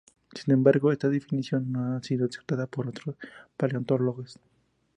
Sin embargo, esta definición no ha sido aceptada por otros paleontólogos.